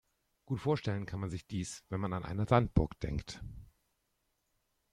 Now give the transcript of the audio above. Gut vorstellen kann man sich dies, wenn man an eine Sandburg denkt.